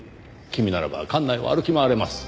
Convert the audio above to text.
君ならば館内を歩き回れます。